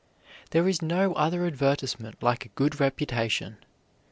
There is no other advertisement like a good reputation.